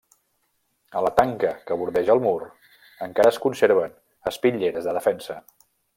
A la tanca que bordeja el mur, encara es conserven espitlleres de defensa.